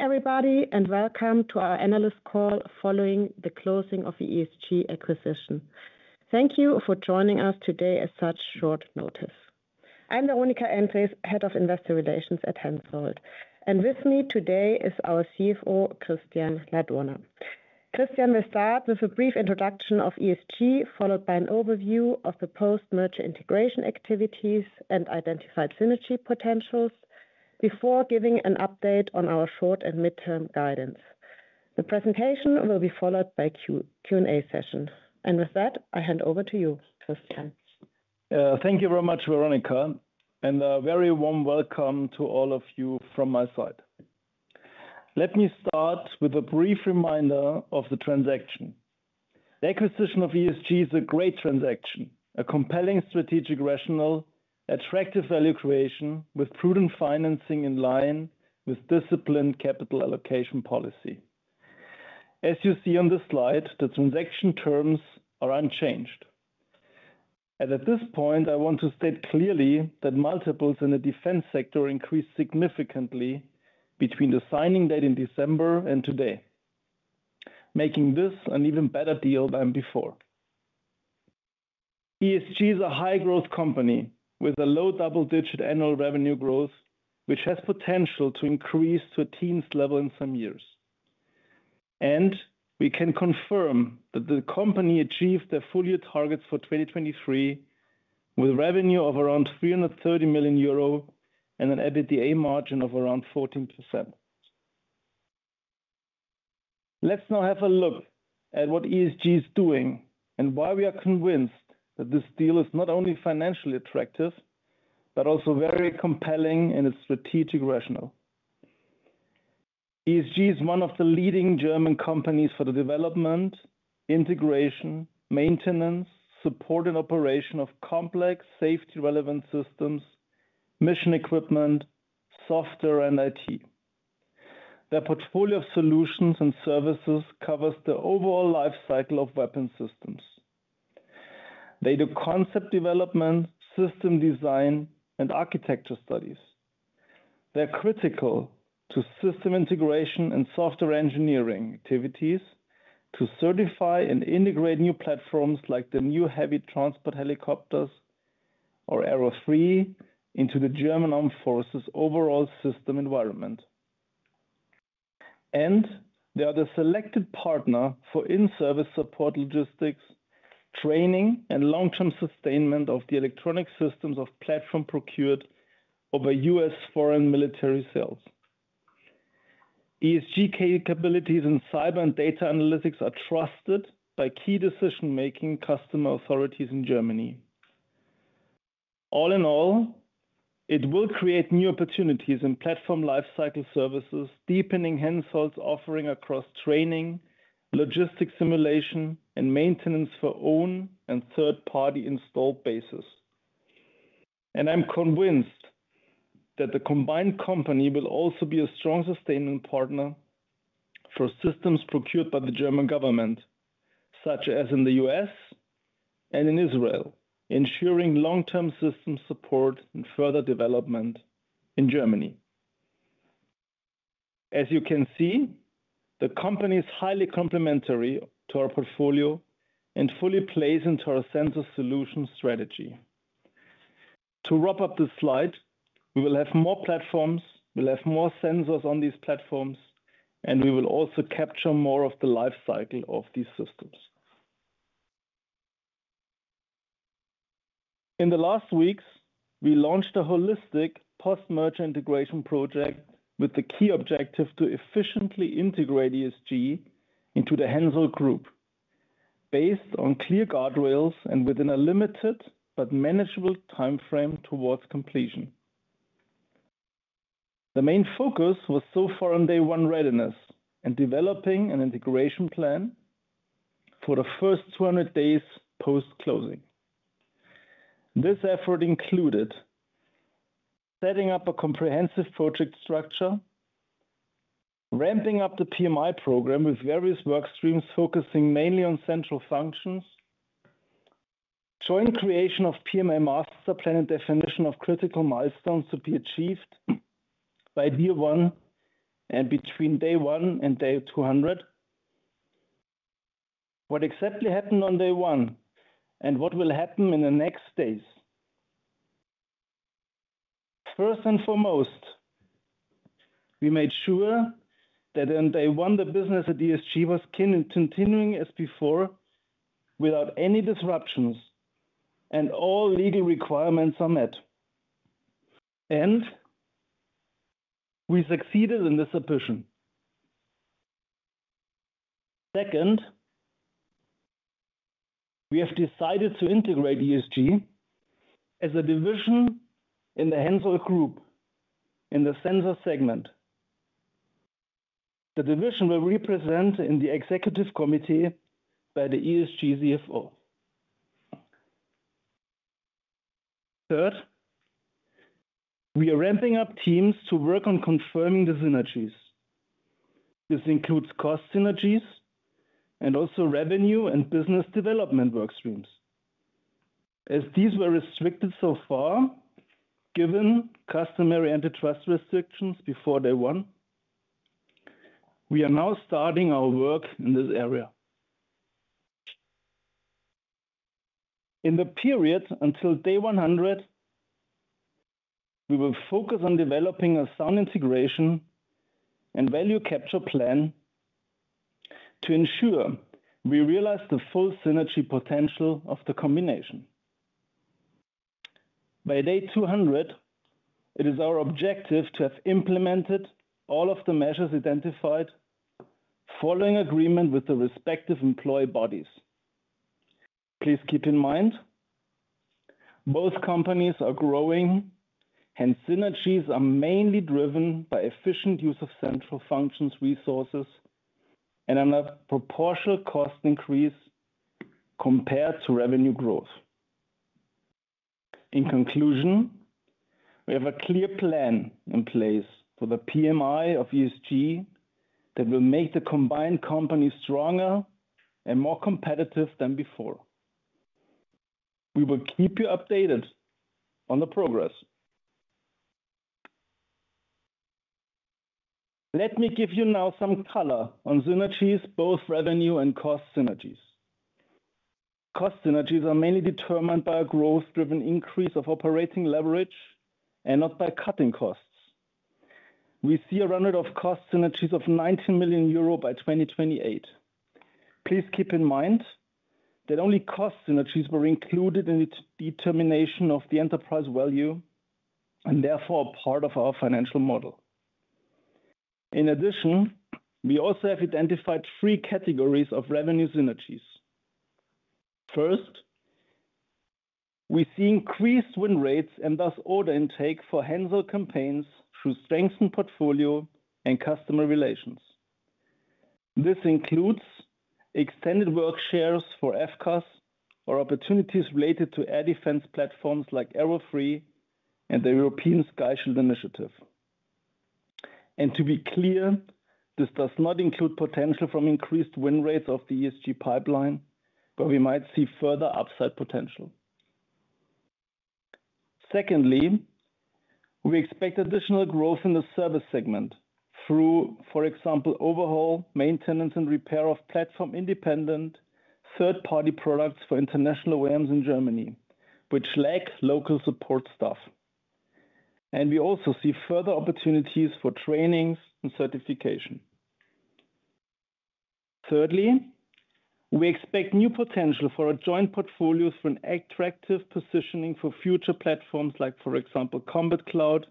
Everybody, and welcome to our analyst call following the closing of the ESG acquisition. Thank you for joining us today at such short notice. I'm Veronika Endres, Head of Investor Relations at HENSOLDT, and with me today is our CFO, Christian Ladurner. Christian will start with a brief introduction of ESG, followed by an overview of the post-merger integration activities and identified synergy potentials, before giving an update on our short and midterm guidance. The presentation will be followed by a Q&A session. With that, I hand over to you, Christian. Thank you very much, Veronika, and a very warm welcome to all of you from my side. Let me start with a brief reminder of the transaction. The acquisition of ESG is a great transaction, a compelling strategic rationale, attractive value creation with prudent financing in line with disciplined capital allocation policy. As you see on this slide, the transaction terms are unchanged. At this point, I want to state clearly that multiples in the defense sector increased significantly between the signing date in December and today, making this an even better deal than before. ESG is a high-growth company with a low double-digit annual revenue growth, which has potential to increase to a teens level in some years. We can confirm that the company achieved their full-year targets for 2023, with revenue of around 330 million euro and an EBITDA margin of around 14%. Let's now have a look at what ESG is doing and why we are convinced that this deal is not only financially attractive, but also very compelling in its strategic rationale. ESG is one of the leading German companies for the development, integration, maintenance, support and operation of complex safety-relevant systems, mission equipment, software, and IT. Their portfolio of solutions and services covers the overall life cycle of weapon systems. They do concept development, system design, and architecture studies. They're critical to system integration and software engineering activities to certify and integrate new platforms, like the new heavy transport helicopters or Arrow 3, into the German Armed Forces' overall system environment. They are the selected partner for in-service support, logistics, training, and long-term sustainment of the electronic systems of platform procured over U.S. Foreign Military Sales. ESG capabilities in cyber and data analytics are trusted by key decision-making customer authorities in Germany. All in all, it will create new opportunities in platform lifecycle services, deepening HENSOLDT's offering across training, logistics simulation, and maintenance for own and third-party installed bases. I'm convinced that the combined company will also be a strong sustainment partner for systems procured by the German government, such as in the U.S. and in Israel, ensuring long-term system support and further development in Germany. As you can see, the company is highly complementary to our portfolio and fully plays into our sensor solution strategy. To wrap up this slide, we will have more platforms, we'll have more sensors on these platforms, and we will also capture more of the life cycle of these systems. In the last weeks, we launched a holistic post-merger integration project with the key objective to efficiently integrate ESG into the HENSOLDT group, based on clear guardrails and within a limited but manageable timeframe towards completion. The main focus was so far on day one readiness and developing an integration plan for the first 200 days post-closing. This effort included setting up a comprehensive project structure, ramping up the PMI program with various work streams, focusing mainly on central functions, joint creation of PMI master plan, and definition of critical milestones to be achieved by year one and between day one and day 200. What exactly happened on day one, and what will happen in the next days? First and foremost, we made sure that on day 1, the business at ESG was continuing as before, without any disruptions, and all legal requirements are met. We succeeded in this ambition. Second, we have decided to integrate ESG as a division in the HENSOLDT group in the Sensors segment. The division will be represented in the executive committee by the ESG CFO. Third, we are ramping up teams to work on confirming the synergies. This includes cost synergies and also revenue and business development work streams, as these were restricted so far, given customary antitrust restrictions before day 1, we are now starting our work in this area. In the period until day 100, we will focus on developing a sound integration and value capture plan to ensure we realize the full synergy potential of the combination. By day 200, it is our objective to have implemented all of the measures identified, following agreement with the respective employee bodies. Please keep in mind, both companies are growing, and synergies are mainly driven by efficient use of central functions, resources, and an under-proportional cost increase compared to revenue growth. In conclusion, we have a clear plan in place for the PMI of ESG that will make the combined company stronger and more competitive than before. We will keep you updated on the progress. Let me give you now some color on synergies, both revenue and cost synergies. Cost synergies are mainly determined by a growth-driven increase of operating leverage and not by cutting costs. We see a run rate of cost synergies of 19 million euro by 2028. Please keep in mind that only cost synergies were included in its determination of the enterprise value and therefore part of our financial model. In addition, we also have identified three categories of revenue synergies. First, we see increased win rates and thus order intake for HENSOLDT campaigns through strengthened portfolio and customer relations. This includes extended work shares for FCAS or opportunities related to air defense platforms like Arrow 3 and the European Sky Shield Initiative. To be clear, this does not include potential from increased win rates of the ESG pipeline, but we might see further upside potential. Secondly, we expect additional growth in the service segment through, for example, overhaul, maintenance, and repair of platform-independent third-party products for international OEMs in Germany, which lack local support staff. We also see further opportunities for trainings and certification. Thirdly, we expect new potential for a joint portfolio through an attractive positioning for future platforms like, for example, combat cloud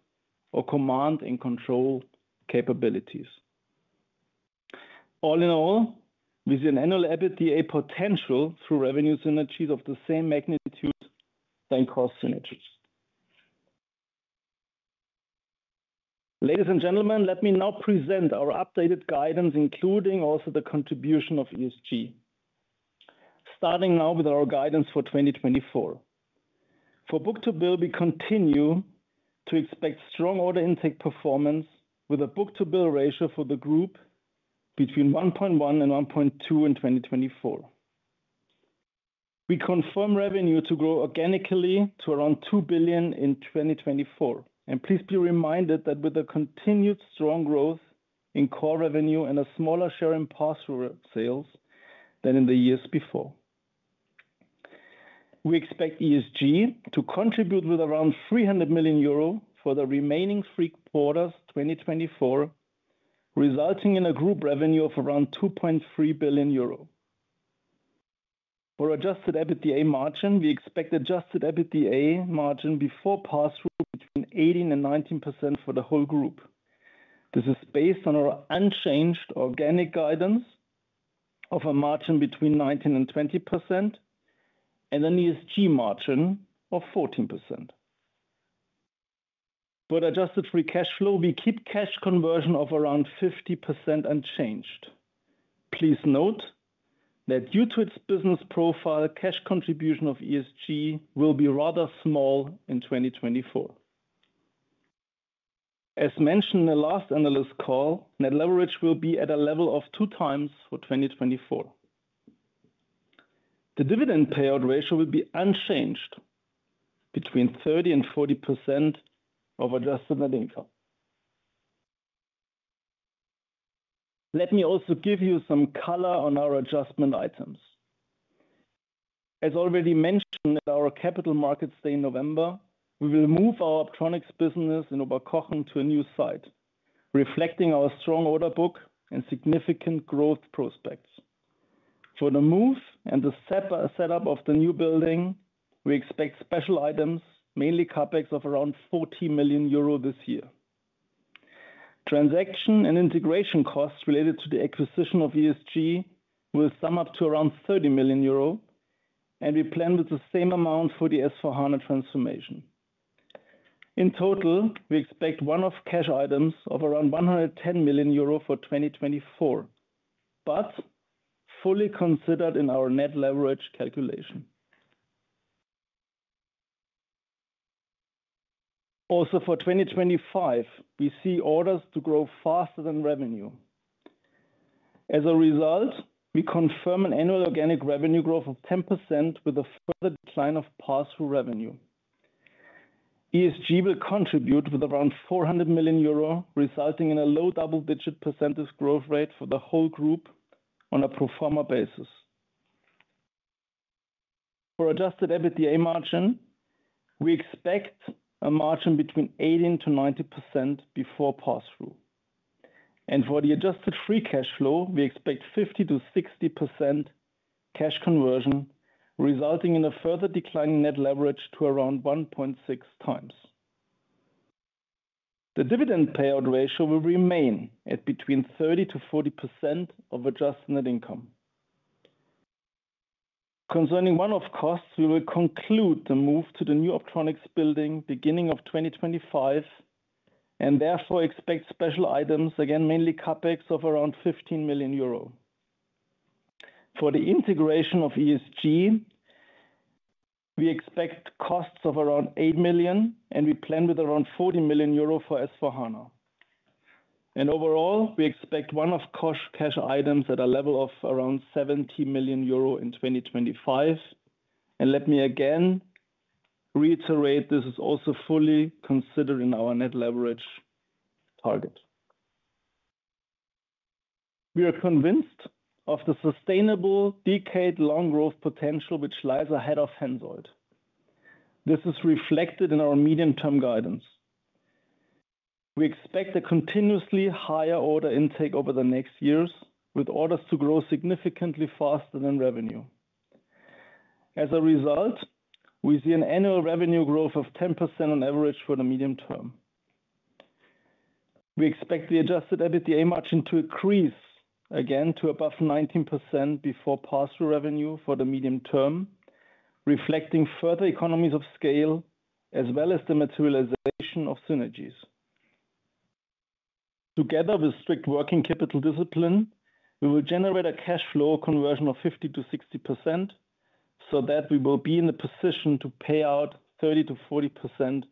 or command and control capabilities. All in all, we see an annual EBITDA potential through revenue synergies of the same magnitude than cost synergies. Ladies and gentlemen, let me now present our updated guidance, including also the contribution of ESG. Starting now with our guidance for 2024. For book-to-bill, we continue to expect strong order intake performance with a book-to-bill ratio for the group between 1.1 and 1.2 in 2024. We confirm revenue to grow organically to around 2 billion in 2024. And please be reminded that with the continued strong growth in core revenue and a smaller share in pass-through sales than in the years before. We expect ESG to contribute with around 300 million euro for the remaining three quarters, 2024, resulting in a group revenue of around 2.3 billion euro. For adjusted EBITDA margin, we expect adjusted EBITDA margin before pass-through between 18% and 19% for the whole group. This is based on our unchanged organic guidance of a margin between 19% and 20%, and an ESG margin of 14%. For adjusted free cash flow, we keep cash conversion of around 50% unchanged. Please note that due to its business profile, cash contribution of ESG will be rather small in 2024. As mentioned in the last analyst call, net leverage will be at a level of 2x for 2024. The dividend payout ratio will be unchanged between 30% and 40% of adjusted net income. Let me also give you some color on our adjustment items. As already mentioned at our Capital Markets Day in November, we will move our Optronics business in Oberkochen to a new site, reflecting our strong order book and significant growth prospects. For the move and the setup of the new building, we expect special items, mainly CapEx, of around 40 million euro this year. Transaction and integration costs related to the acquisition of ESG will sum up to around 30 million euro, and we plan with the same amount for the S/4HANA transformation. In total, we expect one-off cash items of around 110 million euro for 2024, but fully considered in our net leverage calculation.... Also, for 2025, we see orders to grow faster than revenue. As a result, we confirm an annual organic revenue growth of 10% with a further decline of pass-through revenue. ESG will contribute with around 400 million euro, resulting in a low double-digit percentage growth rate for the whole group on a pro forma basis. For adjusted EBITDA margin, we expect a margin between 18%-19% before pass-through. For the adjusted free cash flow, we expect 50%-60% cash conversion, resulting in a further decline in net leverage to around 1.6 times. The dividend payout ratio will remain at between 30%-40% of adjusted net income. Concerning one-off costs, we will conclude the move to the new Optronics building beginning of 2025, and therefore expect special items, again, mainly CapEx of around 15 million euro. For the integration of ESG, we expect costs of around 8 million, and we plan with around 40 million euro for S/4HANA. Overall, we expect one-off cash items at a level of around 70 million euro in 2025. Let me again reiterate, this is also fully considered in our net leverage target. We are convinced of the sustainable decade-long growth potential which lies ahead of HENSOLDT. This is reflected in our medium-term guidance. We expect a continuously higher order intake over the next years, with orders to grow significantly faster than revenue. As a result, we see an annual revenue growth of 10% on average for the medium term. We expect the adjusted EBITDA margin to increase again to above 19% before pass-through revenue for the medium term, reflecting further economies of scale, as well as the materialization of synergies. Together with strict working capital discipline, we will generate a cash flow conversion of 50%-60%, so that we will be in a position to pay out 30%-40%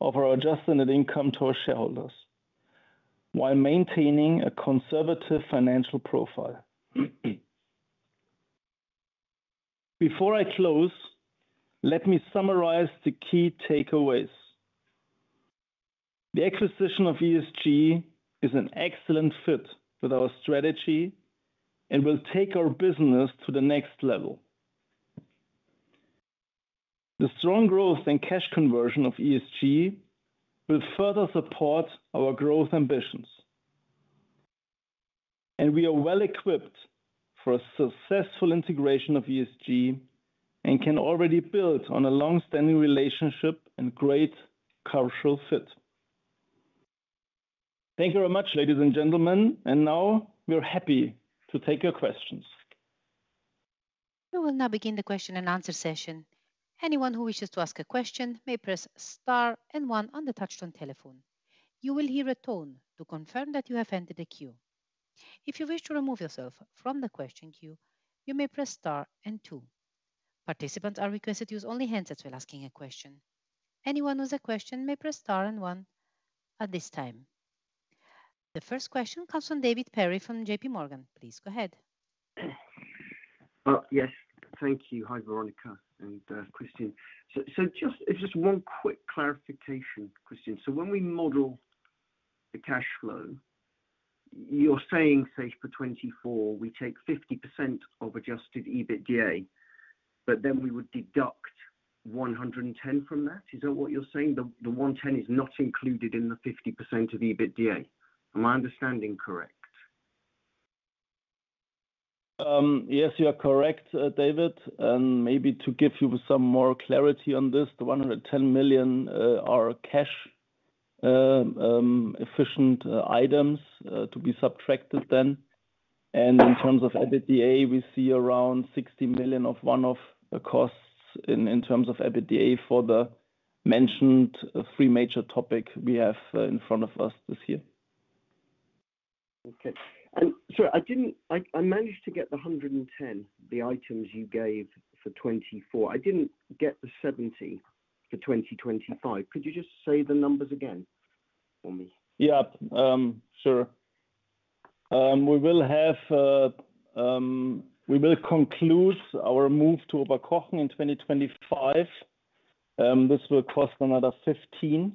of our adjusted net income to our shareholders, while maintaining a conservative financial profile. Before I close, let me summarize the key takeaways. The acquisition of ESG is an excellent fit with our strategy and will take our business to the next level. The strong growth and cash conversion of ESG will further support our growth ambitions. And we are well equipped for a successful integration of ESG, and can already build on a long-standing relationship and great cultural fit. Thank you very much, ladies and gentlemen, and now we are happy to take your questions. We will now begin the question and answer session. Anyone who wishes to ask a question may press star and one on the touchtone telephone. You will hear a tone to confirm that you have entered the queue. If you wish to remove yourself from the question queue, you may press star and two. Participants are requested to use only handsets while asking a question. Anyone with a question may press star and one at this time. The first question comes from David Perry from JP Morgan. Please go ahead. Yes, thank you. Hi, Veronika and Christian. So just one quick clarification, Christian. So when we model the cash flow, you're saying, say, for 2024, we take 50% of adjusted EBITDA, but then we would deduct 110 from that? Is that what you're saying? The one ten is not included in the 50% of EBITDA. Am I understanding correct? Yes, you are correct, David, and maybe to give you some more clarity on this, the 110 million are cash efficient items to be subtracted then. And in terms of EBITDA, we see around 60 million of one-off costs in terms of EBITDA for the mentioned three major topics we have in front of us this year. Okay. And sorry, I didn't—I managed to get the 110, the items you gave for 2024. I didn't get the 70 for 2025. Could you just say the numbers again for me? Yeah. Sure. We will conclude our move to Oberkochen in 2025. This will cost another 15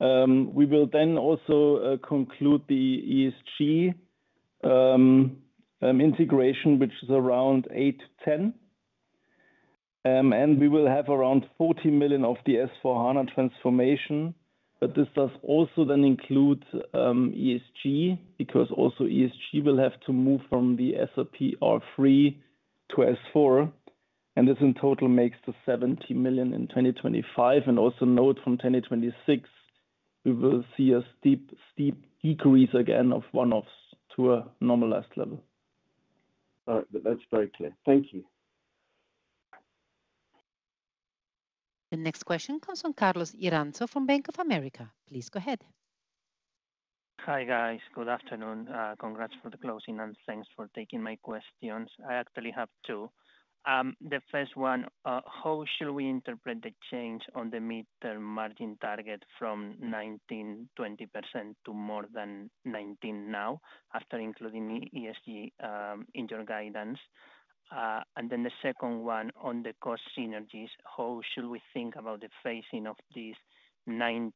million. We will then also conclude the ESG integration, which is around 8-10 million. And we will have around 40 million of the S/4HANA transformation, but this does also then include ESG, because also ESG will have to move from the SAP R/3 to S/4HANA, and this in total makes the 70 million in 2025. And also note from 2026, we will see a steep, steep decrease again of one-offs to a normalized level. All right. That's very clear. Thank you. The next question comes from Carlos Iranzo from Bank of America. Please go ahead.... Hi, guys. Good afternoon. Congrats for the closing, and thanks for taking my questions. I actually have two. The first one, how should we interpret the change on the midterm margin target from 19%-20% to more than 19% now, after including the ESG in your guidance? And then the second one on the cost synergies, how should we think about the phasing of these 19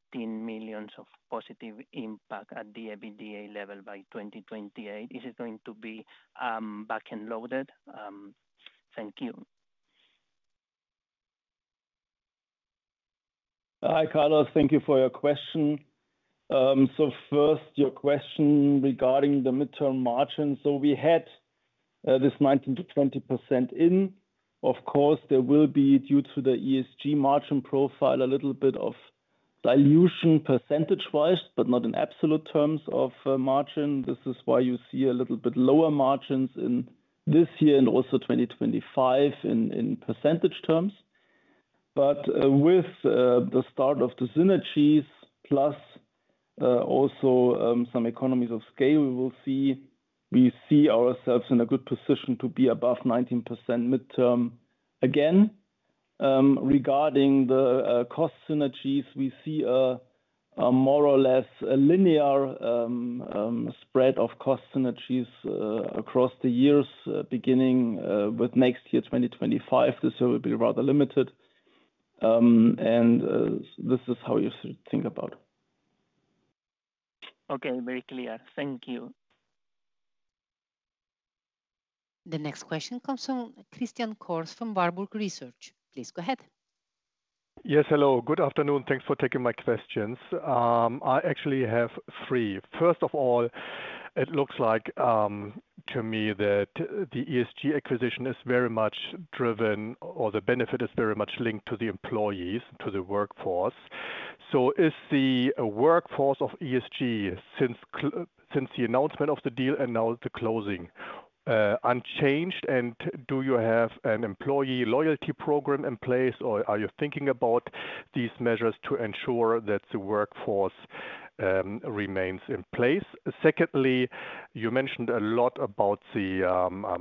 million of positive impact at the EBITDA level by 2028? Is it going to be, back-end loaded? Thank you. Hi, Carlos. Thank you for your question. So first, your question regarding the midterm margin. So we had this 19%-20% in. Of course, there will be, due to the ESG margin profile, a little bit of dilution percentage-wise, but not in absolute terms of margin. This is why you see a little bit lower margins in this year and also 2025 in percentage terms. But with the start of the synergies, plus also some economies of scale, we see ourselves in a good position to be above 19% midterm. Again, regarding the cost synergies, we see a more or less linear spread of cost synergies across the years, beginning with next year, 2025. This will be rather limited. This is how you should think about it. Okay, very clear. Thank you. The next question comes from Christian Cohrs from Warburg Research. Please go ahead. Yes, hello. Good afternoon. Thanks for taking my questions. I actually have three. First of all, it looks like to me that the ESG acquisition is very much driven, or the benefit is very much linked to the employees, to the workforce. So is the workforce of ESG since the announcement of the deal and now the closing unchanged? And do you have an employee loyalty program in place, or are you thinking about these measures to ensure that the workforce remains in place? Secondly, you mentioned a lot about the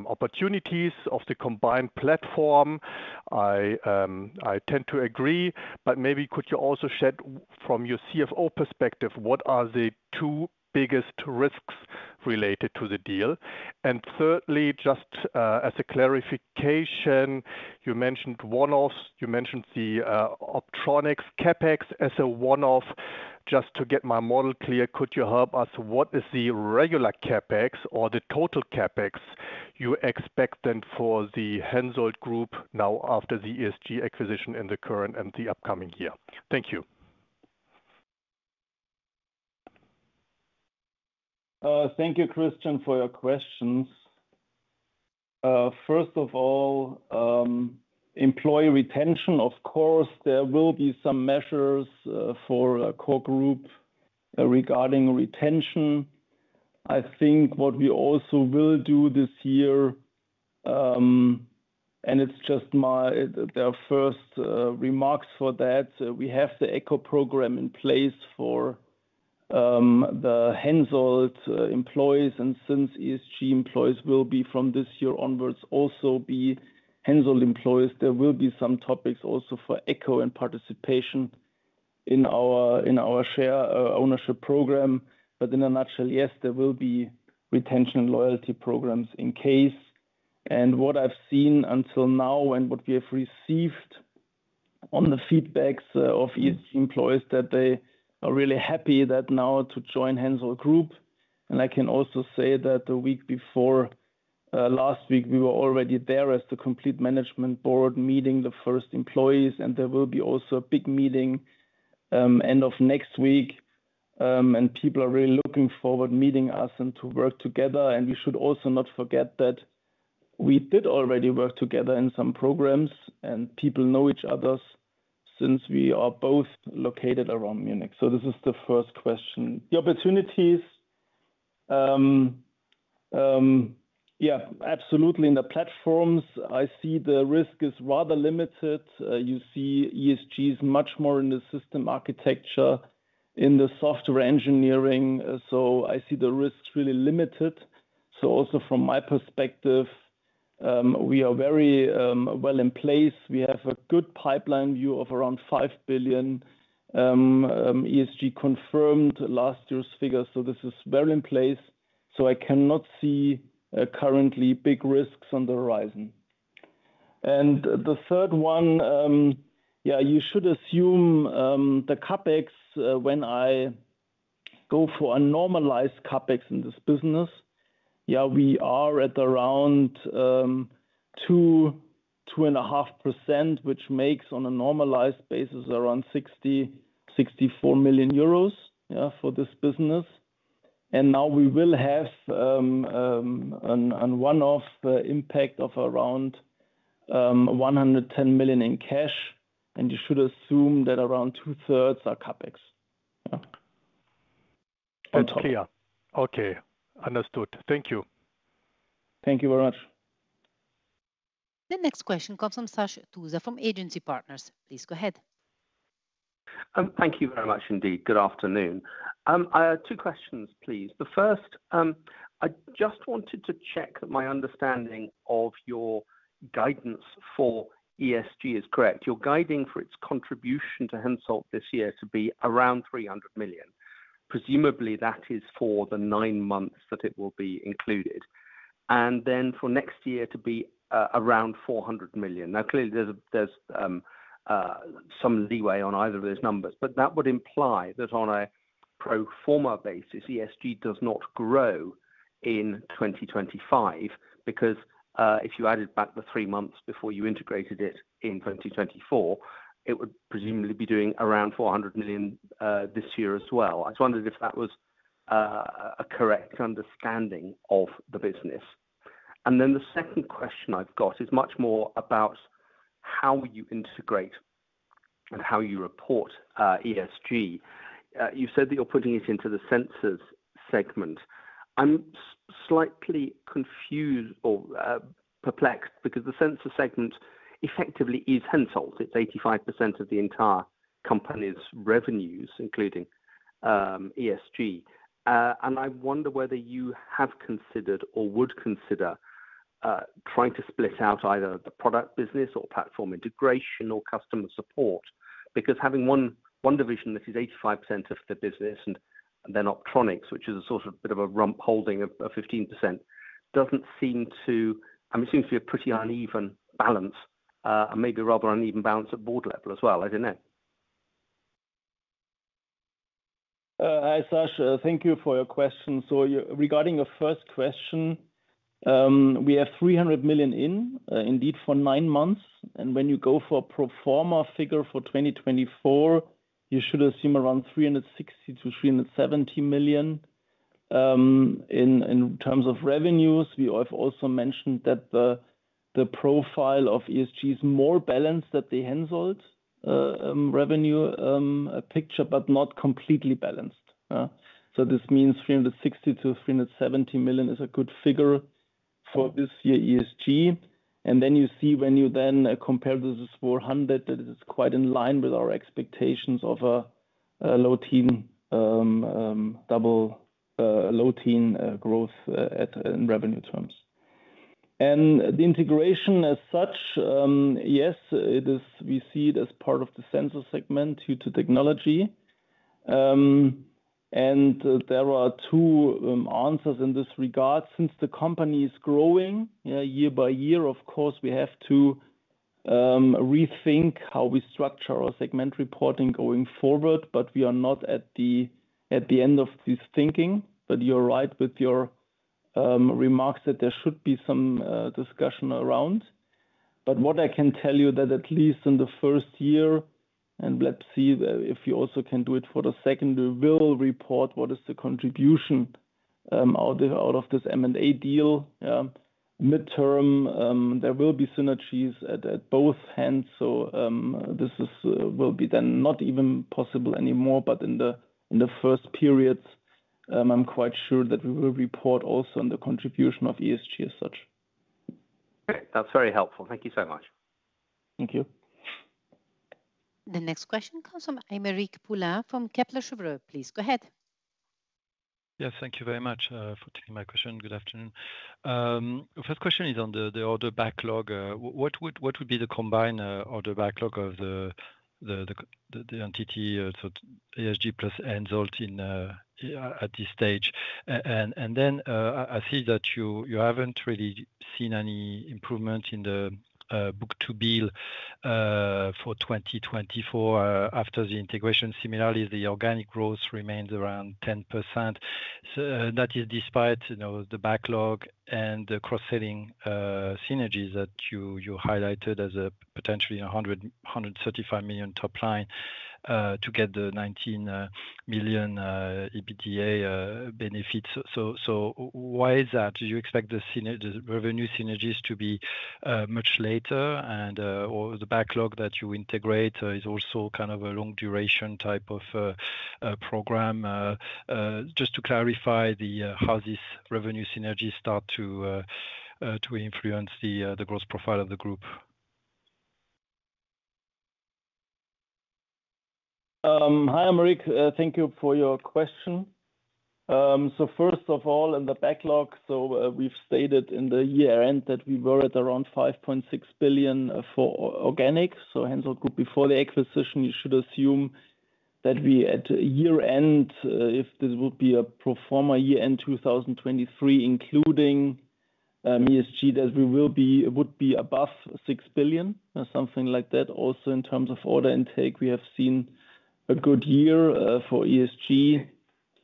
opportunities of the combined platform. I tend to agree, but maybe could you also share, from your CFO perspective, what are the two biggest risks related to the deal? And thirdly, just as a clarification, you mentioned one-offs, you mentioned the Optronics CapEx as a one-off. Just to get my model clear, could you help us, what is the regular CapEx or the total CapEx you expect then for the HENSOLDT group now after the ESG acquisition in the current and the upcoming year? Thank you. Thank you, Christian, for your questions. First of all, employee retention. Of course, there will be some measures, for core group, regarding retention. I think what we also will do this year, and it's just my-- the first remarks for that, we have the ECHO program in place for, the HENSOLDT, employees. And since ESG employees will be, from this year onwards, also be HENSOLDT employees, there will be some topics also for ECHO and participation in our, in our share, ownership program. But in a nutshell, yes, there will be retention loyalty programs in case. And what I've seen until now and what we have received on the feedbacks, of ESG employees, that they are really happy that now to join HENSOLDT group. I can also say that the week before, last week, we were already there as the complete management board, meeting the first employees, and there will be also a big meeting, end of next week. People are really looking forward meeting us and to work together. We should also not forget that we did already work together in some programs, and people know each other since we are both located around Munich. This is the first question. The opportunities... Yeah, absolutely, in the platforms, I see the risk is rather limited. You see, ESG is much more in the system architecture, in the software engineering, so I see the risks really limited. Also from my perspective, we are very, well in place. We have a good pipeline view of around 5 billion. ESG confirmed last year's figures, so this is well in place. So I cannot see currently big risks on the horizon. And the third one, yeah, you should assume the CapEx when I go for a normalized CapEx in this business. Yeah, we are at around 2-2.5%, which makes on a normalized basis around 60-64 million euros for this business. And now we will have an a one-off impact of around 110 million in cash, and you should assume that around two-thirds are CapEx. Yeah. That's clear. Okay, understood. Thank you. Thank you very much.... The next question comes from Sash Tusa from Agency Partners. Please go ahead. Thank you very much indeed. Good afternoon. I have two questions, please. The first, I just wanted to check that my understanding of your guidance for ESG is correct. You're guiding for its contribution to HENSOLDT this year to be around 300 million. Presumably, that is for the nine months that it will be included, and then for next year to be around 400 million. Now, clearly, there's some leeway on either of those numbers, but that would imply that on a pro forma basis, ESG does not grow in 2025 because, if you added back the three months before you integrated it in 2024, it would presumably be doing around 400 million this year as well. I just wondered if that was a correct understanding of the business. And then the second question I've got is much more about how you integrate and how you report ESG. You said that you're putting it into the Sensors segment. I'm slightly confused or perplexed, because the Sensors segment effectively is HENSOLDT. It's 85% of the entire company's revenues, including ESG. And I wonder whether you have considered or would consider trying to split out either the product business or platform integration or customer support. Because having one division that is 85% of the business and then Optronics, which is a sort of bit of a rump holding of 15%, doesn't seem to. It seems to be a pretty uneven balance, and maybe a rather uneven balance at board level as well. I don't know. Hi, Sash. Thank you for your question. So regarding your first question, we have 300 million in, indeed, for nine months, and when you go for a pro forma figure for 2024, you should assume around 360 million-370 million in terms of revenues. We have also mentioned that the profile of ESG is more balanced at the HENSOLDT revenue picture, but not completely balanced, so this means 360 million-370 million is a good figure for this year's ESG. And then you see when you compare this to 400 million, that it is quite in line with our expectations of a low-teen double a low-teen growth in revenue terms. And the integration as such, yes, it is. We see it as part of the Sensors segment due to technology. And there are two answers in this regard. Since the company is growing year by year, of course, we have to rethink how we structure our segment reporting going forward, but we are not at the end of this thinking, but you're right with your remarks that there should be some discussion around. But what I can tell you that at least in the first year, and let's see if we also can do it for the second, we will report what is the contribution out of this M&A deal. Midterm, there will be synergies at both ends. This will be then not even possible anymore, but in the first periods, I'm quite sure that we will report also on the contribution of ESG as such. Great. That's very helpful. Thank you so much. Thank you. The next question comes from Aymeric Poulain from Kepler Cheuvreux. Please, go ahead. Yeah, thank you very much for taking my question. Good afternoon. The first question is on the order backlog. What would be the combined order backlog of the entity, so ESG plus HENSOLDT at this stage? And then, I see that you haven't really seen any improvement in the book-to-bill for 2024 after the integration. Similarly, the organic growth remains around 10%. So that is despite, you know, the backlog and the cross-selling synergies that you highlighted as a potentially 135 million top line to get the 19 million EBITDA benefits. So why is that? Do you expect the revenue synergies to be much later and or the backlog that you integrate is also kind of a long-duration type of program? Just to clarify how these revenue synergies start to influence the growth profile of the group. Hi, Aymeric. Thank you for your question. So first of all, in the backlog, we've stated in the year-end that we were at around 5.6 billion for organics, so Hensoldt Group before the acquisition, you should assume that we at year-end, if this would be a pro forma year-end 2023, including ESG, that we will be, would be above 6 billion, something like that. Also, in terms of order intake, we have seen a good year for ESG,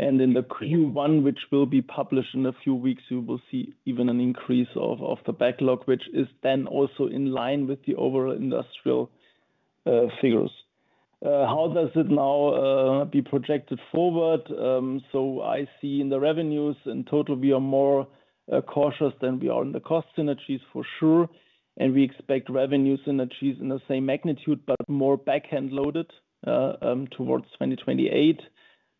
and in the Q1, which will be published in a few weeks, you will see even an increase of the backlog, which is then also in line with the overall industrial figures. How does it now be projected forward? So, I see in the revenues in total, we are more cautious than we are in the cost synergies, for sure, and we expect revenue synergies in the same magnitude, but more back-end loaded towards 2028,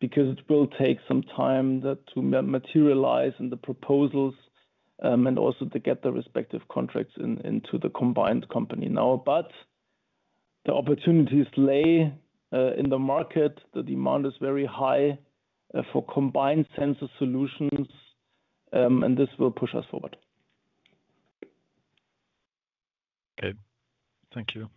because it will take some time to materialize in the proposals, and also to get the respective contracts into the combined company now. But the opportunities lie in the market. The demand is very high for combined sensor solutions, and this will push us forward. Okay. Thank you.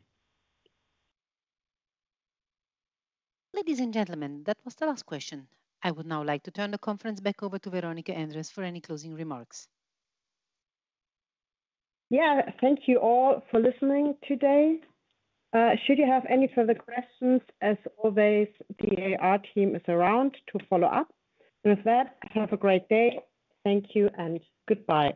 Ladies and gentlemen, that was the last question. I would now like to turn the conference back over to Veronika Endres for any closing remarks. Yeah. Thank you all for listening today. Should you have any further questions, as always, the IR team is around to follow up. With that, have a great day. Thank you and goodbye.